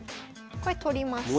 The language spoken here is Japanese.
これ取ります。